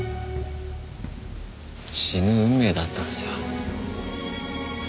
死ぬ運命だったんすよ。